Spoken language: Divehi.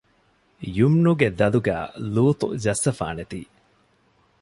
ޔުމްނުގެ ދަލުގައި ލޫޠު ޖައްސަފާނެތީ